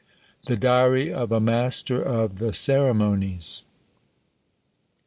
THE DIARY OF A MASTER OF THE CEREMONIES.